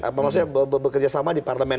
apa maksudnya bekerja sama di parlemen